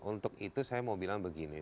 untuk itu saya mau bilang begini